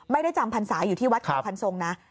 จำพรรษาอยู่ที่วัดเขาพันทรงนะ